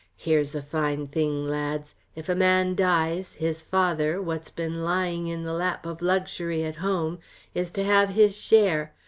Here's a fine thing, lads! If a man dies, his father, what's been lying in the lap of luxury at home, is to have his share.